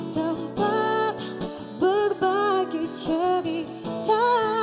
tempat berbagi cerita